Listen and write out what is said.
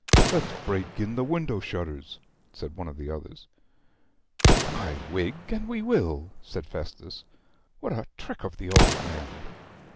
'Let's break in the window shutters,' said one of the others. 'My wig, and we will!' said Festus. 'What a trick of the old man!'